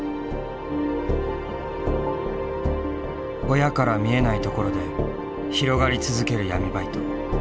親から見えないところで広がり続ける闇バイト。